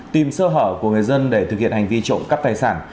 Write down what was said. tìm sơ hở của người dân để thực hiện hành vi trộm cắp tài sản